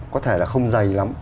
có thể là không dày lắm